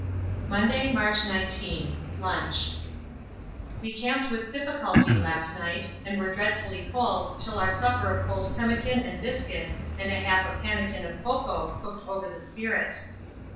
Monday, March 19. Lunch. We camped with difficulty last night, and were dreadfully cold till after our supper of cold pemmican and biscuit and a half a pannikin of cocoa cooked over the spirit.